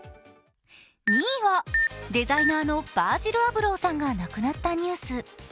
２位は、デザイナーのヴァージル・アブローさんが亡くなったニュース。